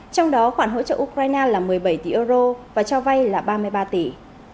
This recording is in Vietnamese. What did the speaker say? trong đó khoản hỗ trợ ukraine là một mươi bảy tỷ euro và cho vay là ba mươi ba tỷ